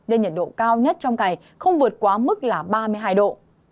nên nhiệt độ cao nhất trong ngày không vượt quá mức là ba mươi hai độ